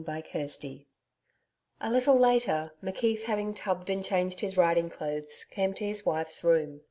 CHAPTER 15 A little later, McKeith having tubbed and changed his riding clothes, came to his wife's room.